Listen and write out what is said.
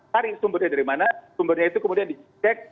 cari sumbernya dari mana sumbernya itu kemudian dicek